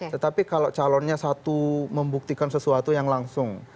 tetapi kalau calonnya satu membuktikan sesuatu yang langsung